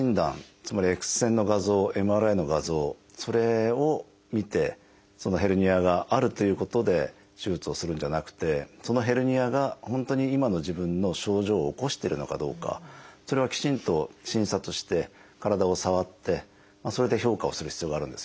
つまりＸ線の画像ＭＲＩの画像それを見てヘルニアがあるということで手術をするんじゃなくてそのヘルニアが本当に今の自分の症状を起こしてるのかどうかそれはきちんと診察して体を触ってそれで評価をする必要があるんですよね。